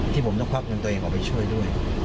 ที่ผมต้องควักเงินตัวเองออกไปช่วยด้วย